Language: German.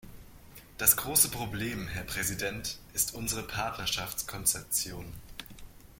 Das große Problem, Herr Präsident, ist unsere Partnerschaftskonzeption.